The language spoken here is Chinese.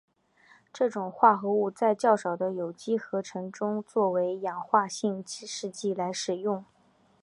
这种化合物在较少的有机合成中作为氧化性试剂来使用。